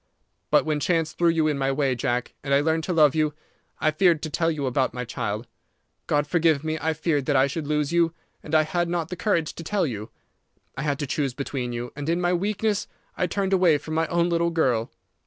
But when chance threw you in my way, Jack, and I learned to love you, I feared to tell you about my child. God forgive me, I feared that I should lose you, and I had not the courage to tell you. I had to choose between you, and in my weakness I turned away from my own little girl.